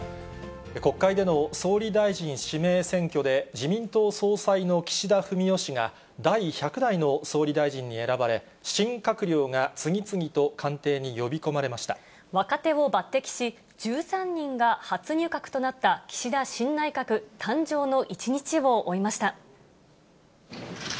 国会での総理大臣指名選挙で、自民党総裁の岸田文雄氏が、第１００代の総理大臣に選ばれ、新閣僚が次々と官邸に呼び込まれ若手を抜てきし、１３人が初入閣となった岸田新内閣誕生の一日を追いました。